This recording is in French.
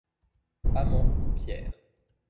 Amand, Pierre.